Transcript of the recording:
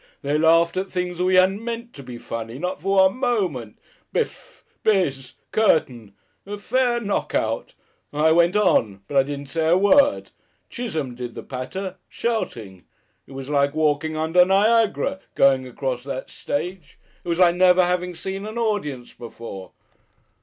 They laughed at things that we hadn't meant to be funny not for one moment. Bif! Bizz! Curtain. A Fair Knock Out!... I went on but I didn't say a word. Chisholme did the patter. Shouting! It was like walking under Niagara going across that stage. It was like never having seen an audience before....